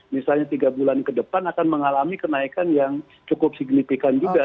misalnya tiga bulan ke depan akan mengalami kenaikan yang cukup signifikan juga